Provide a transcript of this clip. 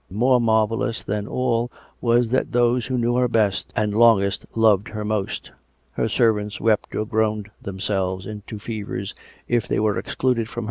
... More marvellous than all was that those who knew her best and longest loved her most; her servants wept or groaned themselves into fevers if they were excluded from S04 COME RACK! COME ROPE!